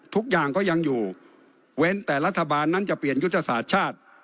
ทุกอย่างก็ยังอยู่เว้นแต่รัฐบาลนั้นจะเปลี่ยนยุทธศาสตร์ชาติ